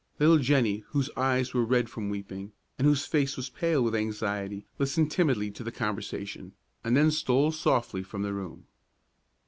Little Jennie, whose eyes were red from weeping, and whose face was pale with anxiety, listened timidly to the conversation, and then stole softly from the room.